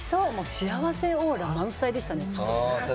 幸せオーラ満載でしたね。